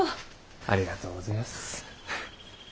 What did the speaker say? ありがとうごぜえやす。